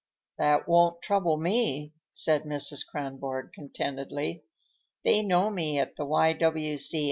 "That won't trouble me," said Mrs. Kronborg contentedly. "They know me at the Y.